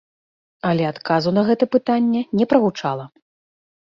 Але адказу на гэта пытанне не прагучала.